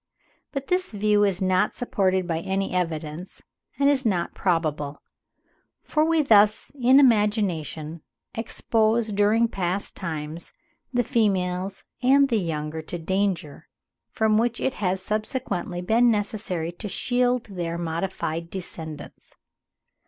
But this view is not supported by any evidence, and is not probable; for we thus in imagination expose during past times the females and the young to danger, from which it has subsequently been necessary to shield their modified descendants.